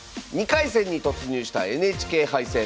２回戦に突入したＮＨＫ杯戦。